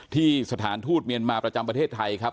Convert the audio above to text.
สถานทูตเมียนมาประจำประเทศไทยครับ